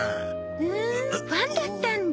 フーンファンだったんだ。